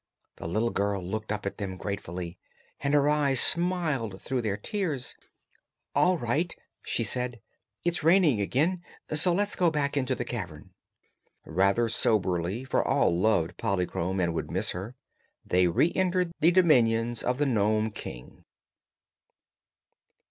The little girl looked up at them gratefully, and her eyes smiled through their tears. "All right," she said. "It's raining again, so let's go back into the cavern." Rather soberly, for all loved Polychrome and would miss her, they reentered the dominions of the Nome King.